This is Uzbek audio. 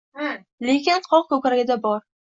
Lekin qoq ko‘kragida bor.